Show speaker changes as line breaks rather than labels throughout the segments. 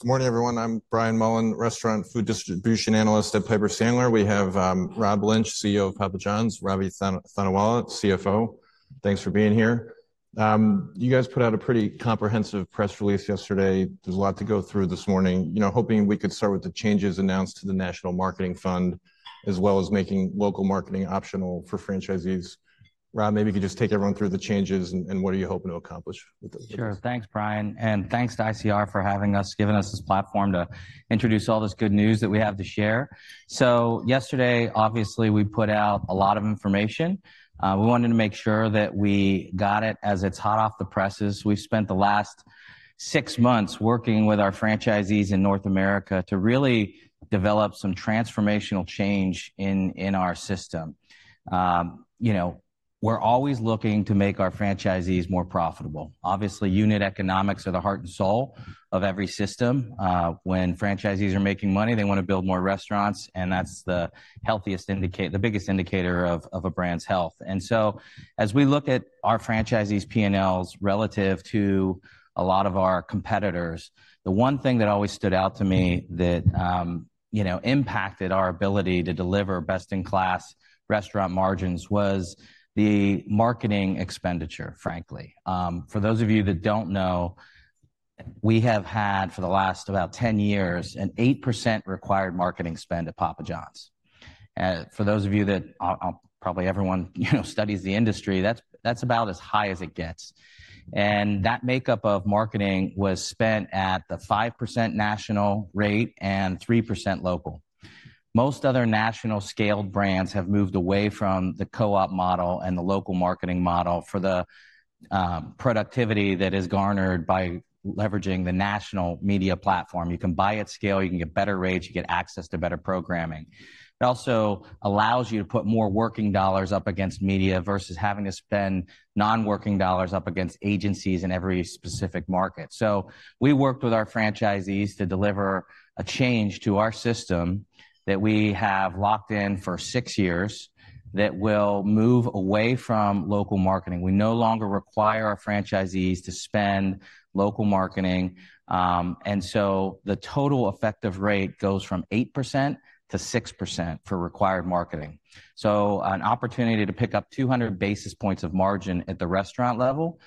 Good morning, everyone. I'm Brian Mullan, restaurant food distribution analyst at Piper Sandler. We have Rob Lynch, CEO of Papa John's, Ravi Thanawala, CFO. Thanks for being here. You guys put out a pretty comprehensive press release yesterday. There's a lot to go through this morning. You know, hoping we could start with the changes announced to the National Marketing Fund, as well as making local marketing optional for franchisees. Rob, maybe you could just take everyone through the changes, and what are you hoping to accomplish with this?
Sure. Thanks, Brian, and thanks to ICR for having us, giving us this platform to introduce all this good news that we have to share. So yesterday, obviously, we put out a lot of information. We wanted to make sure that we got it as it's hot off the presses. We've spent the last six months working with our franchisees in North America to really develop some transformational change in our system. You know, we're always looking to make our franchisees more profitable. Obviously, unit economics are the heart and soul of every system. When franchisees are making money, they wanna build more restaurants, and that's the healthiest indicator, the biggest indicator of a brand's health. As we look at our franchisees' P&Ls relative to a lot of our competitors, the one thing that always stood out to me that, you know, impacted our ability to deliver best-in-class restaurant margins was the marketing expenditure, frankly. For those of you that don't know, we have had, for the last about 10 years, an 8% required marketing spend at Papa Johns. And for those of you that, probably everyone, you know, studies the industry, that's, that's about as high as it gets. And that makeup of marketing was spent at the 5% national rate and 3% local. Most other national-scaled brands have moved away from the co-op model and the local marketing model for the, productivity that is garnered by leveraging the national media platform. You can buy at scale, you can get better rates, you get access to better programming. It also allows you to put more working dollars up against media versus having to spend non-working dollars up against agencies in every specific market. So we worked with our franchisees to deliver a change to our system that we have locked in for six years that will move away from local marketing. We no longer require our franchisees to spend local marketing, and so the total effective rate goes from 8% to 6% for required marketing. So an opportunity to pick up 200 basis points of margin at the restaurant level,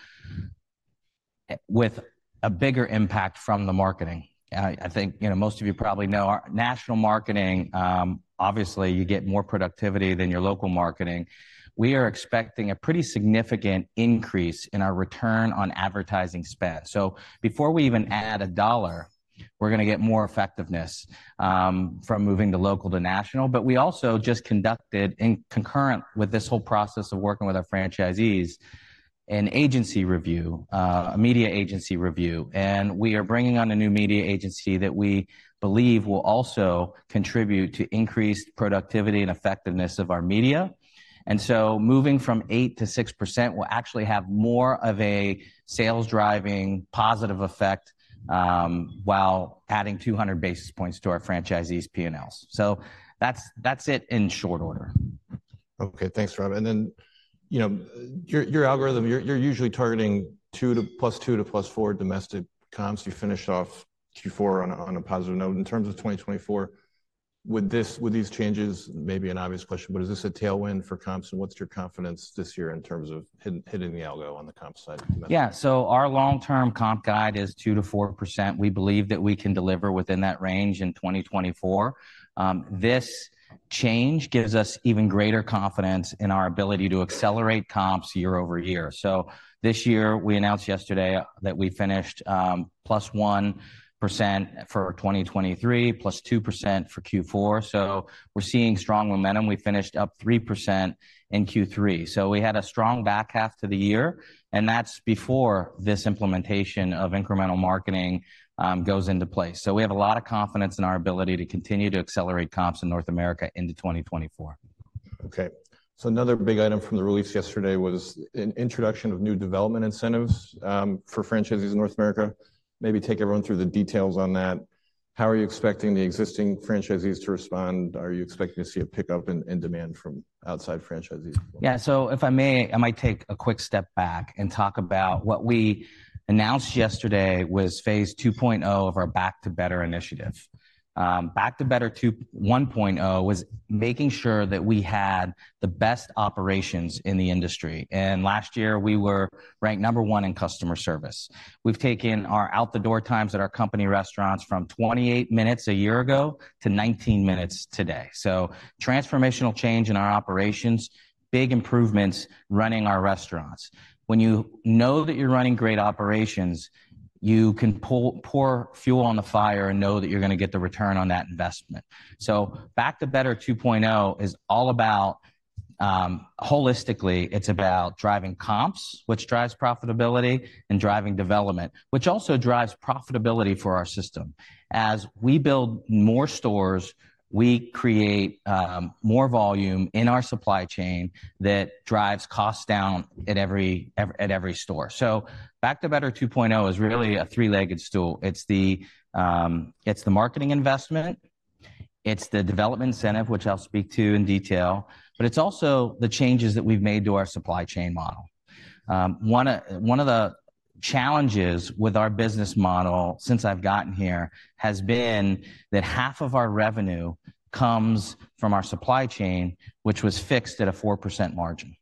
with a bigger impact from the marketing. I think, you know, most of you probably know our national marketing, obviously, you get more productivity than your local marketing. We are expecting a pretty significant increase in our return on advertising spend. So before we even add a dollar, we're gonna get more effectiveness from moving to local to national. But we also just conducted, in concurrent with this whole process of working with our franchisees, an agency review, a media agency review, and we are bringing on a new media agency that we believe will also contribute to increased productivity and effectiveness of our media. And so moving from 8%-6% will actually have more of a sales-driving, positive effect while adding 200 basis points to our franchisees' PNLs. So that's, that's it in short order.
Okay, thanks, Rob. You know, your algorithm, you're usually targeting +2 to +4 domestic comps. You finished off Q4 on a positive note. In terms of 2024, would these changes, maybe an obvious question, but is this a tailwind for comps? What's your confidence this year in terms of hitting the algo on the comp side?
Yeah. So our long-term comp guide is 2%-4%. We believe that we can deliver within that range in 2024. This change gives us even greater confidence in our ability to accelerate comps year-over-year. So this year, we announced yesterday, that we finished, plus one percent for 2023, plus two percent for Q4. So we're seeing strong momentum. We finished up 3% in Q3. So we had a strong back half to the year, and that's before this implementation of incremental marketing, goes into place. So we have a lot of confidence in our ability to continue to accelerate comps in North America into 2024.
Okay. So another big item from the release yesterday was an introduction of new development incentives, for franchisees in North America. Maybe take everyone through the details on that. How are you expecting the existing franchisees to respond? Are you expecting to see a pickup in demand from outside franchisees?
Yeah. So if I may, I might take a quick step back and talk about what we announced yesterday was phase 2.0 of our Back to Better initiative. Back to Better 1.0 was making sure that we had the best operations in the industry, and last year, we were ranked number one in customer service. We've taken our out-the-door times at our company restaurants from 28 minutes a year ago to 19 minutes today. So transformational change in our operations, big improvements running our restaurants. When you know that you're running great operations, you can pour fuel on the fire and know that you're gonna get the return on that investment. So Back to Better 2.0 is all about, holistically, it's about driving comps, which drives profitability, and driving development, which also drives profitability for our system. As we build more stores, we create more volume in our supply chain that drives costs down at every store. So Back to Better 2.0 is really a three-legged stool. It's the marketing investment. It's the development incentive, which I'll speak to in detail, but it's also the changes that we've made to our supply chain model. One of the challenges with our business model since I've gotten here has been that half of our revenue comes from our supply chain, which was fixed at a 4% margin.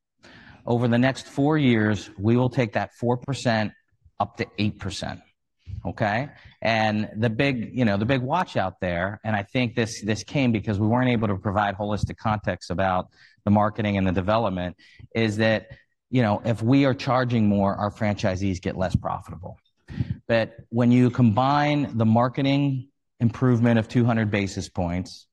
Over the next four years, we will take that 4% up to 8%, okay? The big, you know, the big watch out there, and I think this, this came because we weren't able to provide holistic context about the marketing and the development, is that, you know, if we are charging more, our franchisees get less profitable. But when you combine the marketing improvement of 200 basis points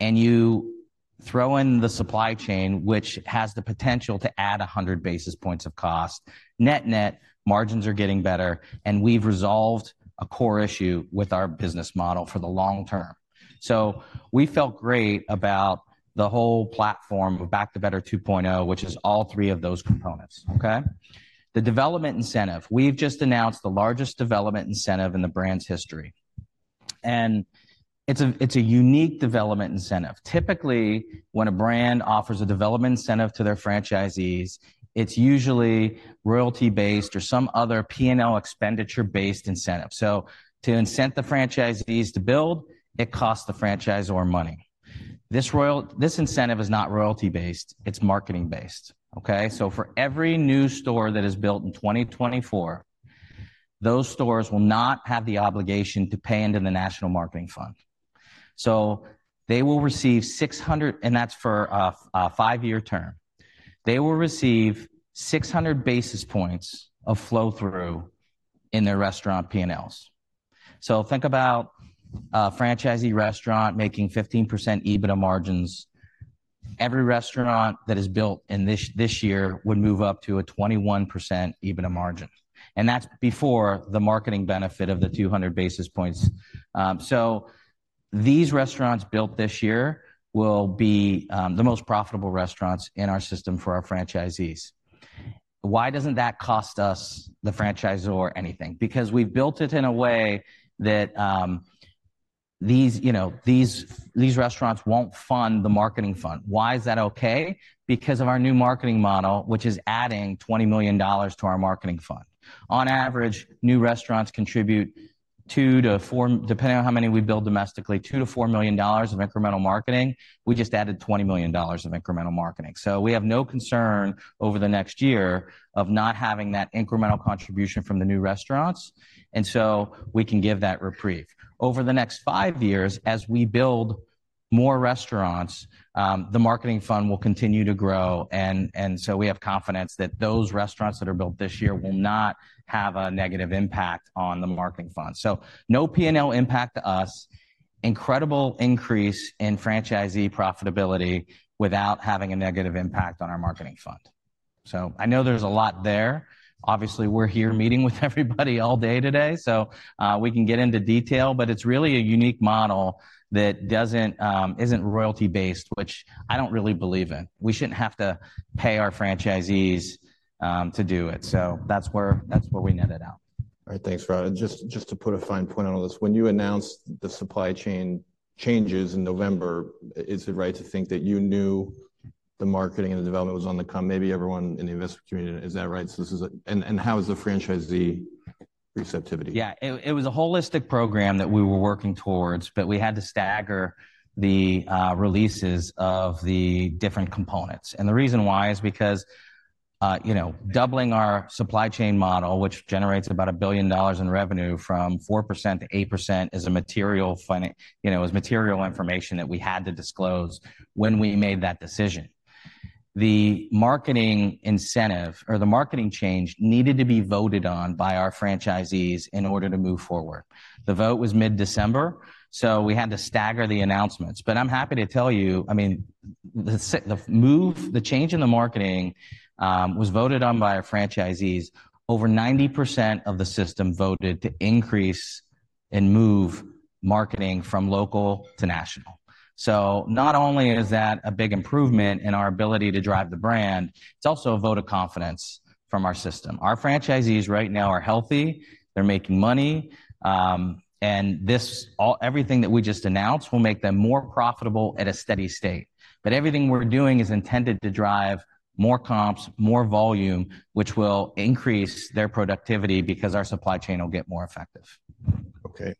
and you throw in the supply chain, which has the potential to add 100 basis points of cost, net-net, margins are getting better, and we've resolved a core issue with our business model for the long term. So we felt great about the whole platform of Back to Better 2.0, which is all three of those components, okay? The development incentive. We've just announced the largest development incentive in the brand's history, and it's a, it's a unique development incentive. Typically, when a brand offers a development incentive to their franchisees, it's usually royalty-based or some other P&L expenditure-based incentive. So to incent the franchisees to build, it costs the franchisor money. This incentive is not royalty-based, it's marketing-based, okay? So for every new store that is built in 2024, those stores will not have the obligation to pay into the National Marketing Fund. So they will receive 600. And that's for a five-year term. They will receive 600 basis points of flow-through in their restaurant P&Ls. So think about franchisee restaurant making 15% EBITDA margins. Every restaurant that is built in this year would move up to a 21% EBITDA margin, and that's before the marketing benefit of the 200 basis points. So these restaurants built this year will be the most profitable restaurants in our system for our franchisees. Why doesn't that cost us, the franchisor, anything? Because we've built it in a way that these, you know, these restaurants won't fund the marketing fund. Why is that okay? Because of our new marketing model, which is adding $20 million to our marketing fund. On average, new restaurants contribute two to four, depending on how many we build domestically, $2 million-$4 million of incremental marketing. We just added $20 million of incremental marketing. So we have no concern over the next year of not having that incremental contribution from the new restaurants, and so we can give that reprieve. Over the next five years, as we build more restaurants, the marketing fund will continue to grow, and so we have confidence that those restaurants that are built this year will not have a negative impact on the marketing fund. So no P&L impact to us, incredible increase in franchisee profitability without having a negative impact on our marketing fund. So I know there's a lot there. Obviously, we're here meeting with everybody all day today, so we can get into detail, but it's really a unique model that isn't royalty-based, which I don't really believe in. We shouldn't have to pay our franchisees to do it. So that's where we netted out.
All right, thanks, Rob. And just, just to put a fine point on all this, when you announced the supply chain changes in November, is it right to think that you knew the marketing and the development was on the come? Maybe everyone in the investment community... Is that right? So this is and, and how is the franchisee receptivity?
Yeah, it was a holistic program that we were working towards, but we had to stagger the releases of the different components. And the reason why is because you know, doubling our supply chain model, which generates about $1 billion in revenue from 4% to 8%, is a material finding, you know, is material information that we had to disclose when we made that decision. The marketing incentive or the marketing change needed to be voted on by our franchisees in order to move forward. The vote was mid-December, so we had to stagger the announcements. But I'm happy to tell you, I mean, the move, the change in the marketing, was voted on by our franchisees. Over 90% of the system voted to increase and move marketing from local to national. So not only is that a big improvement in our ability to drive the brand, it's also a vote of confidence from our system. Our franchisees right now are healthy, they're making money, and everything that we just announced will make them more profitable at a steady state. But everything we're doing is intended to drive more comps, more volume, which will increase their productivity because our supply chain will get more effective.
Okay, I'm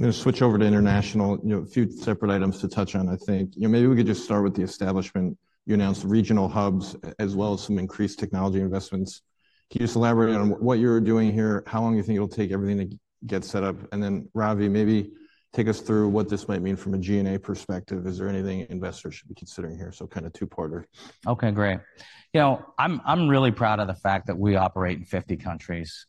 gonna switch over to international. You know, a few separate items to touch on, I think. You know, maybe we could just start with the establishment. You announced regional hubs, as well as some increased technology investments. Can you just elaborate on what you're doing here? How long you think it'll take everything to get set up? And then, Ravi, maybe take us through what this might mean from a G&A perspective. Is there anything investors should be considering here? So kind of two-parter.
Okay, great. You know, I'm really proud of the fact that we operate in 50 countries.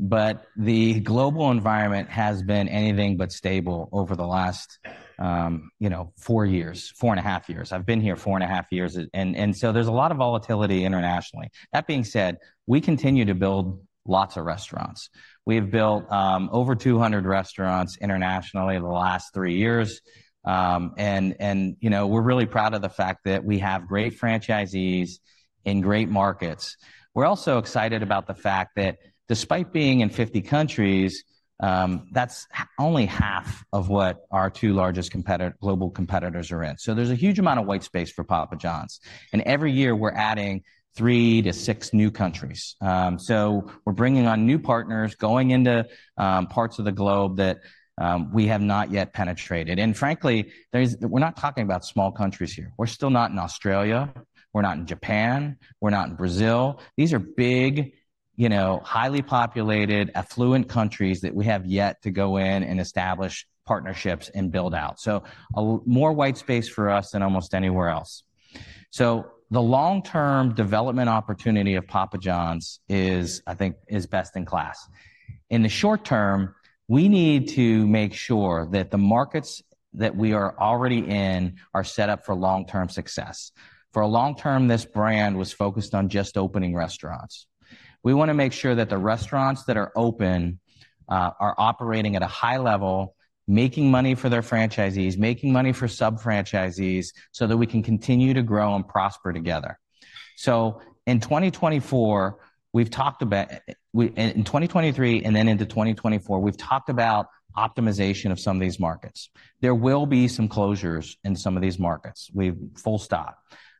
But the global environment has been anything but stable over the last, you know, four years, four and half years. I've been here four and half years years, and so there's a lot of volatility internationally. That being said, we continue to build lots of restaurants. We've built over 200 restaurants internationally in the last three years. And, you know, we're really proud of the fact that we have great franchisees in great markets. We're also excited about the fact that despite being in 50 countries - that's only half of what our two largest competitor, global competitors are in. So there's a huge amount of white space for Papa Johns, and every year we're adding three to six new countries. So we're bringing on new partners, going into parts of the globe that we have not yet penetrated. And frankly, there's – we're not talking about small countries here. We're still not in Australia, we're not in Japan, we're not in Brazil. These are big, you know, highly populated, affluent countries that we have yet to go in and establish partnerships and build out. So a more white space for us than almost anywhere else. So the long-term development opportunity of Papa Johns is, I think, is best in class. In the short term, we need to make sure that the markets that we are already in are set up for long-term success. For a long term, this brand was focused on just opening restaurants. We want to make sure that the restaurants that are open are operating at a high level, making money for their franchisees, making money for sub-franchisees, so that we can continue to grow and prosper together. So in 2024, we've talked about—in 2023 and then into 2024, we've talked about optimization of some of these markets. There will be some closures in some of these markets. We've full stop.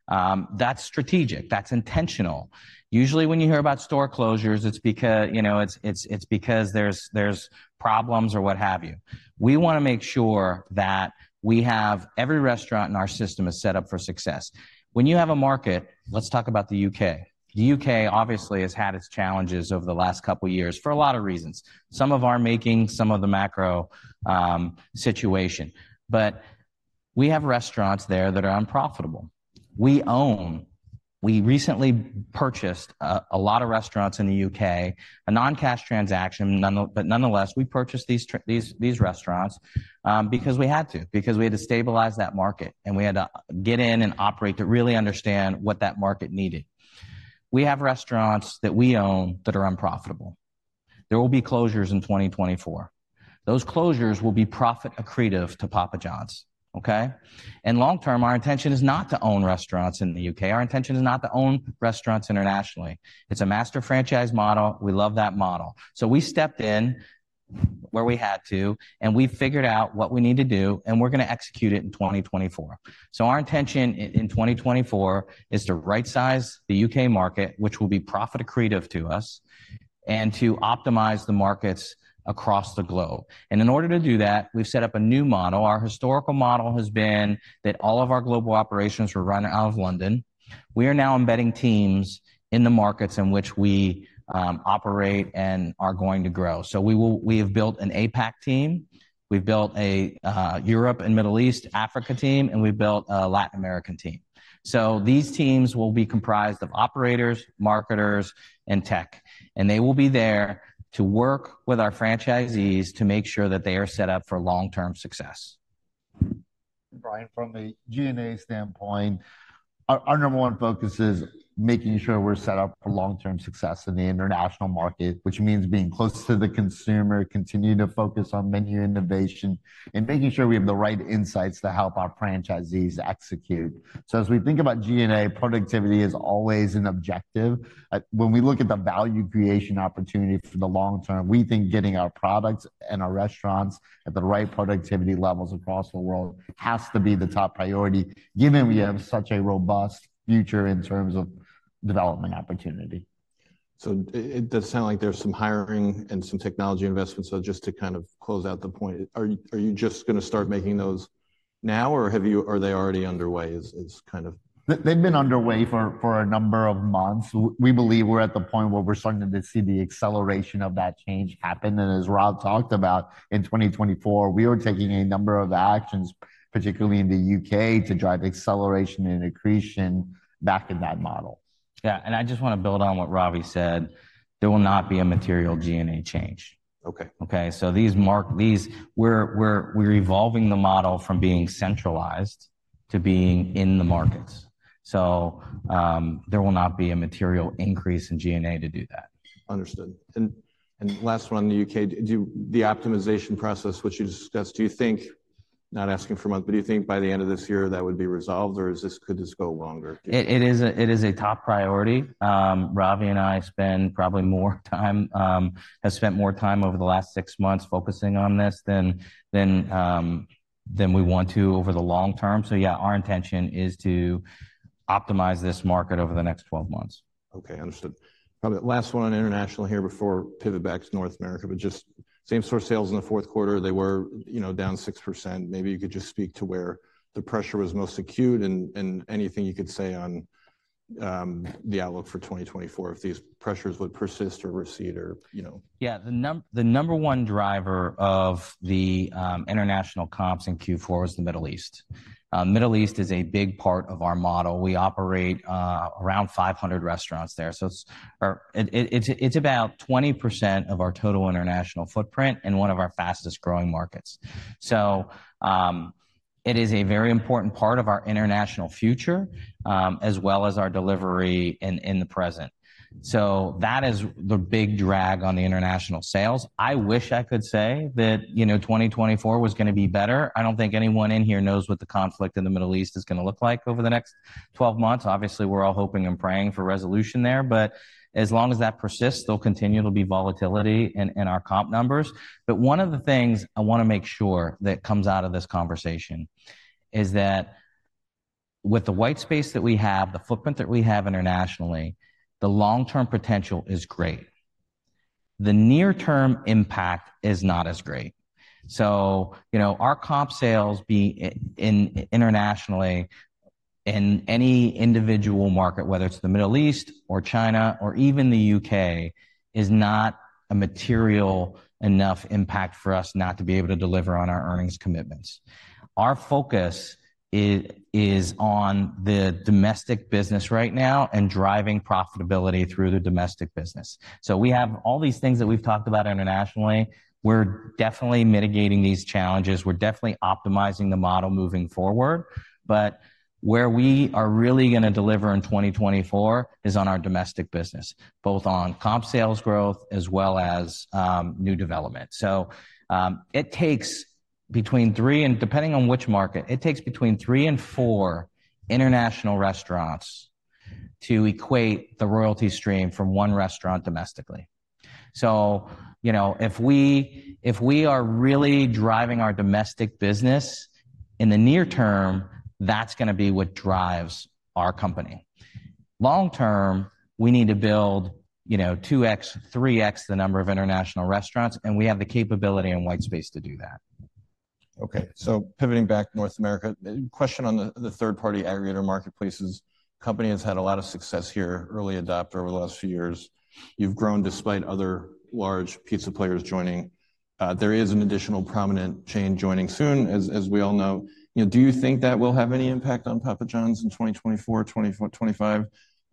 That's strategic, that's intentional. Usually, when you hear about store closures, it's because, you know, it's because there's problems or what have you. We want to make sure that we have every restaurant in our system is set up for success. When you have a market. Let's talk about the U.K. The U.K. obviously has had its challenges over the last couple of years for a lot of reasons. Some of our making, some of the macro situation. But we have restaurants there that are unprofitable. We own, we recently purchased a lot of restaurants in the UK, a non-cash transaction, but nonetheless, we purchased these restaurants because we had to, because we had to stabilize that market, and we had to get in and operate to really understand what that market needed. We have restaurants that we own that are unprofitable. There will be closures in 2024. Those closures will be profit accretive to Papa Johns, okay? And long term, our intention is not to own restaurants in the UK. Our intention is not to own restaurants internationally. It's a master franchise model. We love that model. So we stepped in where we had to, and we figured out what we need to do, and we're going to execute it in 2024. So our intention in 2024 is to rightsize the UK market, which will be profit accretive to us, and to optimize the markets across the globe. And in order to do that, we've set up a new model. Our historical model has been that all of our global operations were run out of London. We are now embedding teams in the markets in which we operate and are going to grow. So we have built an APAC team, we've built a Europe and Middle East, Africa team, and we've built a Latin American team. So these teams will be comprised of operators, marketers, and tech, and they will be there to work with our franchisees to make sure that they are set up for long-term success.
Brian, from a G&A standpoint, our number one focus is making sure we're set up for long-term success in the international market, which means being close to the consumer, continuing to focus on menu innovation, and making sure we have the right insights to help our franchisees execute. As we think about G&A, productivity is always an objective. When we look at the value creation opportunity for the long term, we think getting our products and our restaurants at the right productivity levels across the world has to be the top priority, given we have such a robust future in terms of development opportunity.
So it does sound like there's some hiring and some technology investments. So just to kind of close out the point, are you just gonna start making those now, or have you-- are they already underway, is kind of-
They've been underway for, for a number of months. We believe we're at the point where we're starting to see the acceleration of that change happen. And as Rob talked about, in 2024, we are taking a number of actions, particularly in the U.K., to drive acceleration and accretion back in that model.
Yeah, and I just want to build on what Ravi said. There will not be a material G&A change.
Okay.
Okay, so we're evolving the model from being centralized to being in the markets. So, there will not be a material increase in G&A to do that.
Understood. And last one, the UK, do you, the optimization process, which you discussed, do you think, not asking for much, but do you think by the end of this year, that would be resolved, or is this, could this go longer?
It is a top priority. Ravi and I spend probably more time, have spent more time over the last six months focusing on this than we want to over the long term. So yeah, our intention is to optimize this market over the next 12 months.
Okay, understood. Last one on international here before pivot back to North America, but just same-store sales in the fourth quarter, they were, you know, down 6%. Maybe you could just speak to where the pressure was most acute and anything you could say on the outlook for 2024, if these pressures would persist or recede or, you know?
Yeah. The number one driver of the international comps in Q4 was the Middle East. Middle East is a big part of our model. We operate around 500 restaurants there. So it's about 20% of our total international footprint and one of our fastest-growing markets. So it is a very important part of our international future as well as our delivery in the present. So that is the big drag on the international sales. I wish I could say that, you know, 2024 was going to be better. I don't think anyone in here knows what the conflict in the Middle East is going to look like over the next 12 months. Obviously, we're all hoping and praying for resolution there, but as long as that persists, there'll continue to be volatility in our comp numbers. But one of the things I want to make sure that comes out of this conversation is that with the white space that we have, the footprint that we have internationally, the long-term potential is great. The near-term impact is not as great. So, you know, our comp sales being internationally, in any individual market, whether it's the Middle East or China or even the U.K., is not a material enough impact for us not to be able to deliver on our earnings commitments. Our focus is on the domestic business right now and driving profitability through the domestic business. So we have all these things that we've talked about internationally. We're definitely mitigating these challenges. We're definitely optimizing the model moving forward, but where we are really gonna deliver in 2024 is on our domestic business, both on comp sales growth as well as new development. It takes between three, and depending on which market, it takes between three and four international restaurants to equate the royalty stream from one restaurant domestically. So, you know, if we, if we are really driving our domestic business in the near term, that's going to be what drives our company. Long term, we need to build, you know, 2x, 3x the number of international restaurants, and we have the capability and white space to do that.
Okay, so pivoting back to North America, question on the third-party aggregator marketplaces. Company has had a lot of success here, early adopter over the last few years. You've grown despite other large pizza players joining. There is an additional prominent chain joining soon, as we all know. You know, do you think that will have any impact on Papa Johns in 2024, 2025?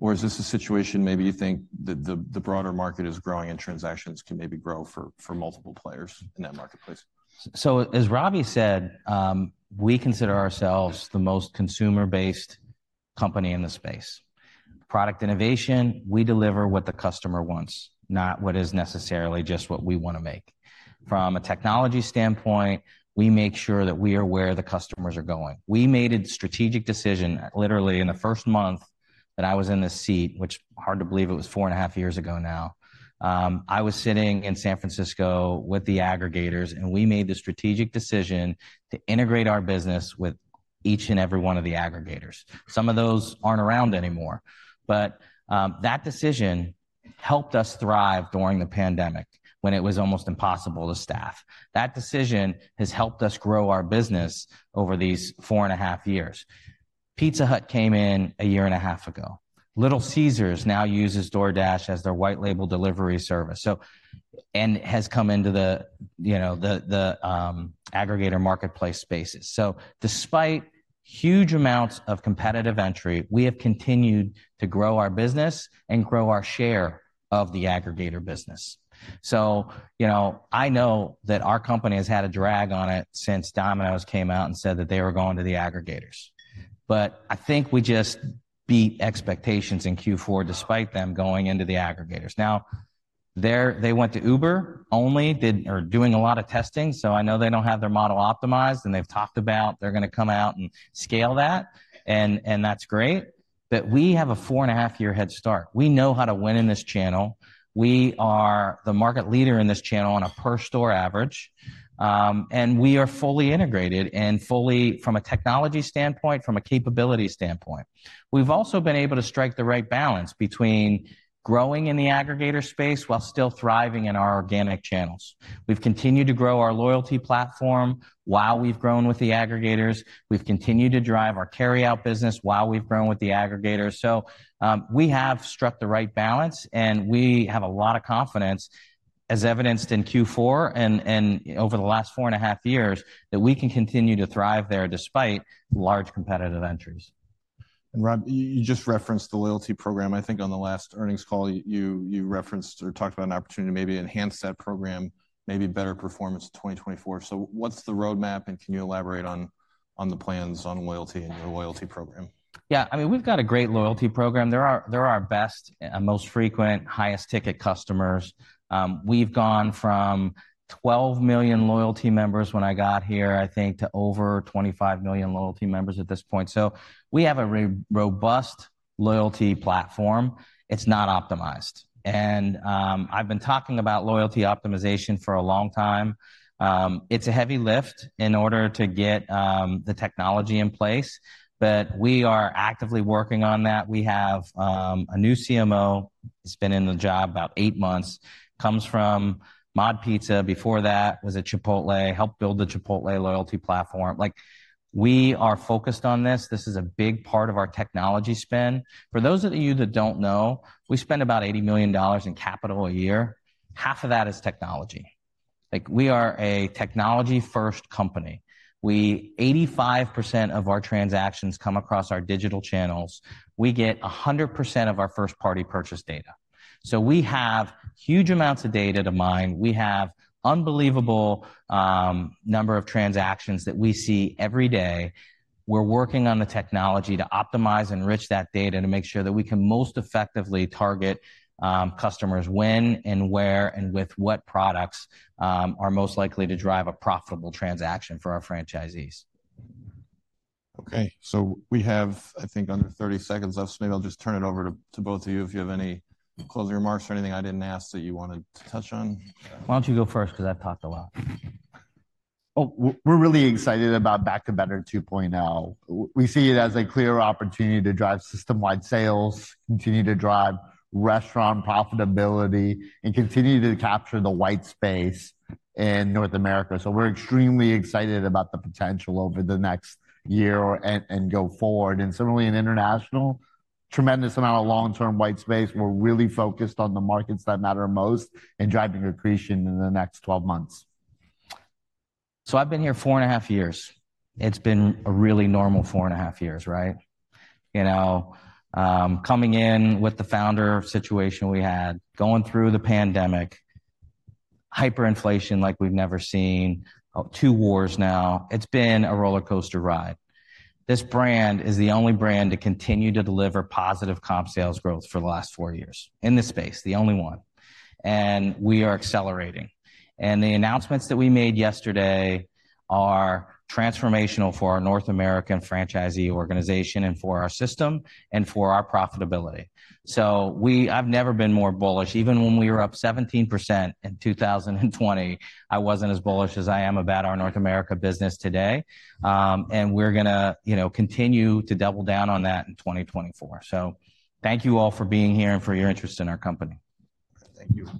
Or is this a situation maybe you think that the broader market is growing, and transactions can maybe grow for multiple players in that marketplace?
So as Ravi said, we consider ourselves the most consumer-based company in the space. Product innovation, we deliver what the customer wants, not what is necessarily just what we wanna make. From a technology standpoint, we make sure that we are where the customers are going. We made a strategic decision, literally, in the first month that I was in this seat, which hard to believe it was four and half years years ago now. I was sitting in San Francisco with the aggregators, and we made the strategic decision to integrate our business with each and every one of the aggregators. Some of those aren't around anymore, but, that decision helped us thrive during the pandemic when it was almost impossible to staff. That decision has helped us grow our business over these four and half years years. Pizza Hut came in a year and a half ago. Little Caesars now uses DoorDash as their white label delivery service, so and has come into the, you know, the aggregator marketplace spaces. So despite huge amounts of competitive entry, we have continued to grow our business and grow our share of the aggregator business. So, you know, I know that our company has had a drag on it since Domino's came out and said that they were going to the aggregators. But I think we just beat expectations in Q4, despite them going into the aggregators. Now, they're they went to Uber only, are doing a lot of testing, so I know they don't have their model optimized, and they've talked about they're gonna come out and scale that, and that's great. But we have a four-and-a-half-year head start. We know how to win in this channel. We are the market leader in this channel on a per store average, and we are fully integrated and fully from a technology standpoint, from a capability standpoint. We've also been able to strike the right balance between growing in the aggregator space while still thriving in our organic channels. We've continued to grow our loyalty platform while we've grown with the aggregators. We've continued to drive our carryout business while we've grown with the aggregators. So, we have struck the right balance, and we have a lot of confidence, as evidenced in Q4 and over the last four and a half years, that we can continue to thrive there despite large competitive entries.
Rob, you just referenced the loyalty program. I think on the last earnings call, you referenced or talked about an opportunity to maybe enhance that program, maybe better performance in 2024. So what's the roadmap, and can you elaborate on the plans on loyalty and your loyalty program?
Yeah, I mean, we've got a great loyalty program. They're our, they're our best and most frequent, highest-ticket customers. We've gone from 12 million loyalty members when I got here, I think, to over 25 million loyalty members at this point. So we have a robust loyalty platform. It's not optimized, and I've been talking about loyalty optimization for a long time. It's a heavy lift in order to get the technology in place, but we are actively working on that. We have a new CMO, he's been in the job about eight months, comes from MOD Pizza, before that was at Chipotle, helped build the Chipotle loyalty platform. Like, we are focused on this. This is a big part of our technology spend. For those of you that don't know, we spend about $80 million in capital a year. Half of that is technology. Like, we are a technology-first company. We 85% of our transactions come across our digital channels. We get 100% of our first-party purchase data. So we have huge amounts of data to mine. We have unbelievable number of transactions that we see every day. We're working on the technology to optimize, enrich that data, to make sure that we can most effectively target customers when and where, and with what products are most likely to drive a profitable transaction for our franchisees.
Okay, so we have, I think, under 30 seconds left, so maybe I'll just turn it over to both of you if you have any closing remarks or anything I didn't ask that you wanted to touch on.
Why don't you go first? 'Cause I've talked a lot.
Oh, we're really excited about Back to Better 2.0. We see it as a clear opportunity to drive system-wide sales, continue to drive restaurant profitability, and continue to capture the White Space in North America. So we're extremely excited about the potential over the next year and go forward. And similarly, in international, tremendous amount of long-term White Space. We're really focused on the markets that matter most and driving accretion in the next 12 months.
So I've been here four and a half years. It's been a really normal four and a half years, right? You know, coming in with the founder situation we had, going through the pandemic, hyperinflation like we've never seen, two wars now, it's been a rollercoaster ride. This brand is the only brand to continue to deliver positive comp sales growth for the last four years. In this space, the only one, and we are accelerating. And the announcements that we made yesterday are transformational for our North American franchisee organization and for our system and for our profitability. So I've never been more bullish. Even when we were up 17% in 2020, I wasn't as bullish as I am about our North America business today. And we're gonna, you know, continue to double down on that in 2024. Thank you all for being here and for your interest in our company.
Thank you.